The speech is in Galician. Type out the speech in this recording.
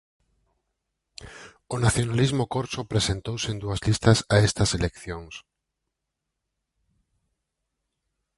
O nacionalismo corso presentouse en dúas listas a estas eleccións.